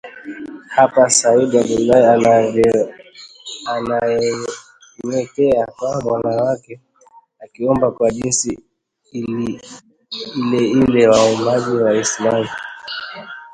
Hapa Sayyid Abdallah ananyenyekea kwa Mola wake akiomba kwa jinsi ileile waombayo Waislamu